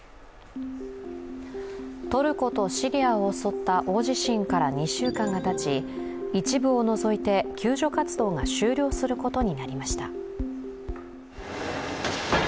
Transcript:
トルコとシリアを襲った大地震から２週間がたち、一部を除いて救助活動が終了することになりました。